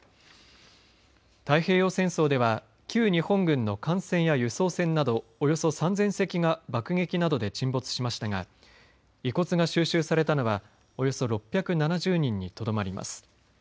太平洋戦争では旧日本軍の艦船や輸送船などおよそ３０００隻が爆撃などで沈没しましたが遺骨が収集されたのはおよそ６７０人にとどまります。